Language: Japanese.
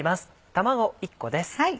卵１個です。